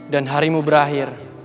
dan harimu berakhir